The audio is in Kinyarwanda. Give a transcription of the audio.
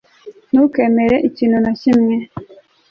ntukemere ikintu na kimwe